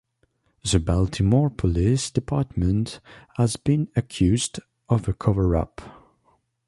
The Baltimore Police Department has been accused of a coverup.